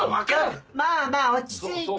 まあまあ落ち着いて。